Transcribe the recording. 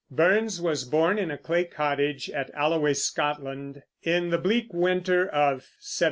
Burns was born in a clay cottage at Alloway, Scotland, in the bleak winter of 1759.